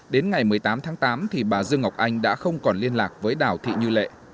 đến ngày một mươi tám tháng tám thì bà dương ngọc anh đã không còn liên lạc với đào thị như lệ